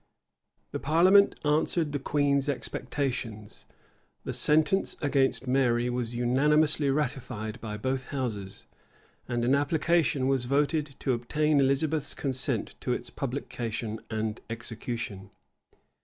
[*] The parliament answered the queen's expectations: the sentence against Mary was unanimously ratified by both houses, and an application was voted to obtain Elizabeth's consent to its publication and execution.